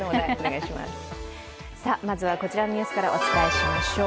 まずはこちらのニュースからお伝えしましょう。